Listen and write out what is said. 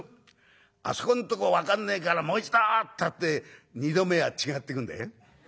『あそこんとこ分かんねえからもう一度』ったって二度目は違ってくんだよ」。